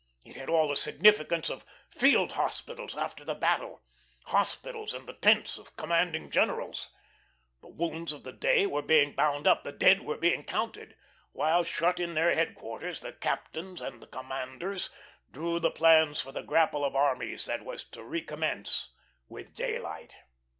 It had all the significance of field hospitals after the battle hospitals and the tents of commanding generals. The wounds of the day were being bound up, the dead were being counted, while, shut in their headquarters, the captains and the commanders drew the plans for the grapple of armies that was to recommence with daylight.